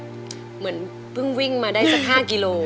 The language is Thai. ว่าเดินวิ่งมาได้จะ๕กิโล